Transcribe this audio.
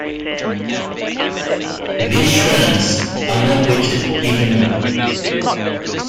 These strands are not weighted evenly.